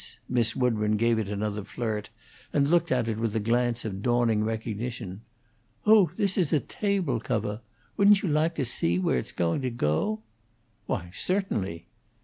Miss Woodburn gave it another flirt, and looked at it with a glance of dawning recognition. "Oh, this is a table covah. Wouldn't you lahke to see where it's to go?" "Why, certainly."